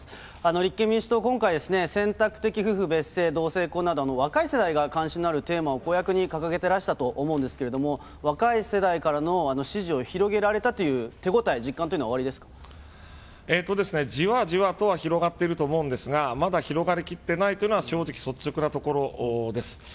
立憲民主党、今回ですね、選択的夫婦別姓、若い世代が関心のあるテーマを公約に掲げてらしたと思うんですけれども、若い世代からの支持を広げられたという手ごたえ、実感というのはじわじわとは広がっていると思うんですが、まだ広がりきってないというのが、正直率直なところです。